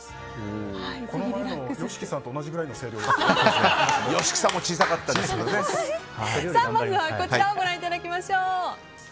この前のＹＯＳＨＩＫＩさんと同じくらいのまずはこちらをご覧いただきましょう。